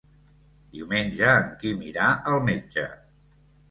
Diumenge en Quim irà al metge.